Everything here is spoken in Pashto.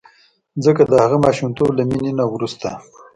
ځکه د هغه ماشومتوب له مینې نه وروسته.